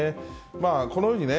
まあ、このようにね、